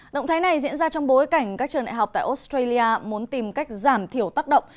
động thái này diễn ra trong bối cảnh các trường đại học tại australia muốn tìm cách giảm thiểu tác động